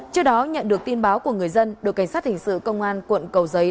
trước đó nhận được tin báo của người dân đội cảnh sát hình sự công an quận cầu giấy